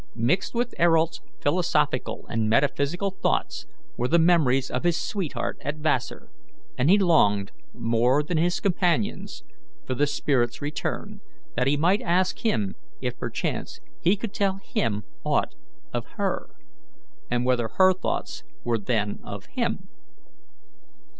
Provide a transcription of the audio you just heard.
Mixed with Ayrault's philosophical and metaphysical thoughts were the memories of his sweetheart at Vassar, and he longed, more than his companions, for the spirit's return, that he might ask him if perchance he could tell him aught of her, and whether her thoughts were then of him.